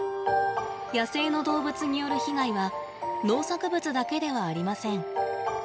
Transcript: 野生の動物による被害は農作物だけではありません。